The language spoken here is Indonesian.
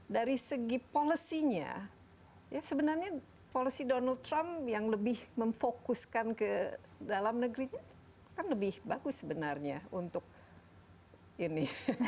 dari segi policy nya ya sebenarnya polisi donald trump yang lebih memfokuskan ke dalam negerinya kan lebih bagus sebenarnya untuk ini